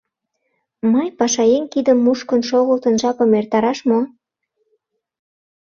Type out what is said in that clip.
Мый, пашаеҥ, кидым мушкын шогылтын жапым эртараш мо?